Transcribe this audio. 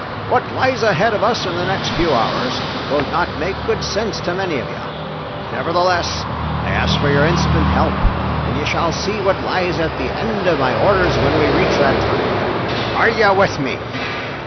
"What lies ahead of us in the next few hours will not make good sense to many of you. Nevertheless I ask for your instant help, and you shall see what lies at the end of my orders when we reach that time. Are you with me?"